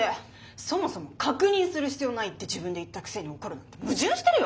そもそも確認する必要ないって自分で言ったくせに怒るなんて矛盾してるよ。